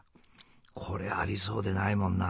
これありそうでないもんな。